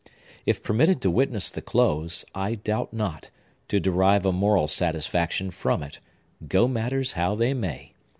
If permitted to witness the close, I doubt not to derive a moral satisfaction from it, go matters how they may.